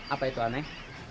apa itu aneh